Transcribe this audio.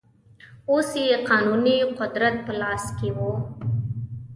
اوس یې قانوني قدرت په لاس کې و.